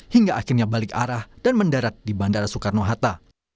hingga akhirnya balik arah dan mendarat di bandara soekarno hatta